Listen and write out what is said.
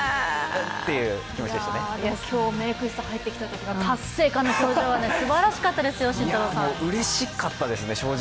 今日、メイク室に入ってきたときの達成感の表情、すばらしかったですよ、慎太郎さんうれしかったですね、正直。